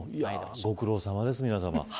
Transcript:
ご苦労さまです、皆さま。